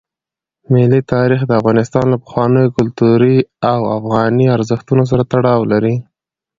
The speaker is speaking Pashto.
ملي تاریخ د افغانستان له پخوانیو کلتوري او افغاني ارزښتونو سره تړاو لري.